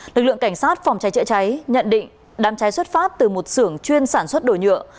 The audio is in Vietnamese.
lực lượng cảnh sát phòng cháy chữa cháy nhận định đám cháy xuất phát từ một sưởng chuyên sản xuất đồ nhựa